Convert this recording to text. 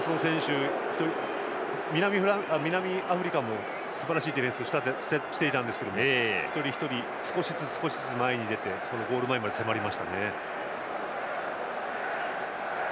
南アフリカもすばらしいディフェンスをしていたんですが一人一人少しずつ前に出てゴール前まで迫りましたね。